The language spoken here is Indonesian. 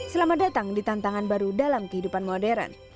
selamat datang di tantangan baru dalam kehidupan modern